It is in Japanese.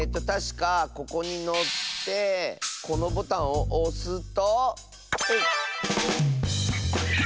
たしかここにのってこのボタンをおすと。